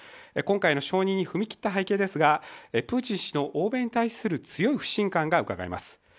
今回の承認に踏み切った背景ですが、プーチン氏の欧米に対する強い不信感がうかがえます。